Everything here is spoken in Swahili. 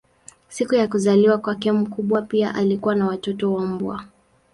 Siku ya kuzaliwa kwake mbwa pia alikuwa na watoto wa mbwa.